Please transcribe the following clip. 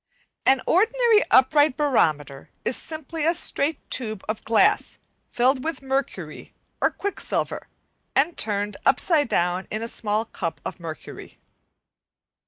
An ordinary upright barometer is simply a straight tube of glass filled with mercury or quicksilver, and turned upside down in a small cup of mercury.